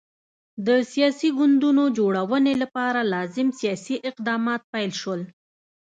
د سیاسي ګوندونو جوړونې لپاره لازم سیاسي اقدامات پیل شول.